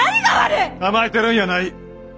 甘えてるんやない！